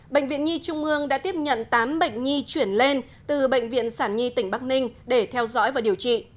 bệnh viện nhi trung ương đã tiếp nhận tám bệnh nhi chuyển lên từ bệnh viện sản nhi tỉnh bắc ninh để theo dõi và điều trị